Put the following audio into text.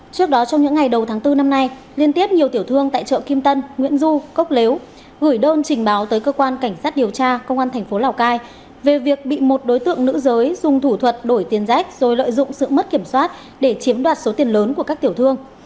trước đó trong những ngày đầu tháng bốn năm nay liên tiếp nhiều tiểu thương tại chợ kim tân nguyễn du cốc lếu gửi đơn trình báo tới cơ quan cảnh sát điều tra công an thành phố lào cai về việc bị một đối tượng nữ giới dùng thủ thuật đổi tiền rác rồi lợi dụng sự mất kiểm soát để chiếm đoạt số tiền lớn của các tiểu thương